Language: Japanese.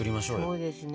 そうですね。